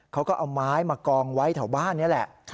เขาก็เอาไม้มากองไว้แถวบ้านนี่แหละ